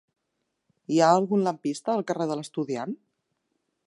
Hi ha algun lampista al carrer de l'Estudiant?